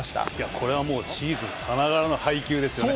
これはもう、シーズンさながらの配球ですよね。